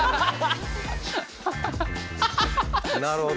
なるほど。